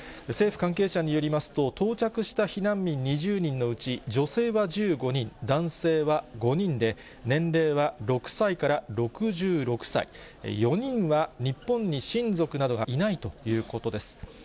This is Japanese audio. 政府関係者によりますと、到着した避難民２０人のうち、女性は１５人、男性は５人で、年齢は６歳から６６歳、４人は日本に親族などがいないということです。